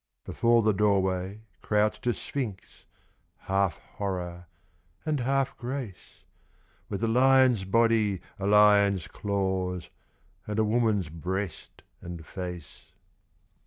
Before the doorway crouched a sphinx, Half horror and half grace; With a lion's body, a lion's claws, And a woman's breast and face.